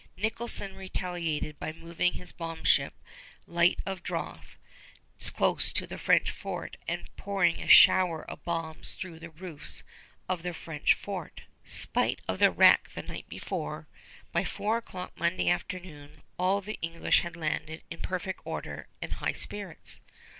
Nicholson retaliated by moving his bomb ship, light of draught, close to the French fort and pouring a shower of bombs through the roofs of the French fort. Spite of the wreck the night before, by four o'clock Monday afternoon all the English had landed in perfect order and high spirits.